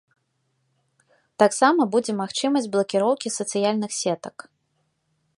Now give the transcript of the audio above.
Таксама будзе магчымасць блакіроўкі сацыяльных сетак.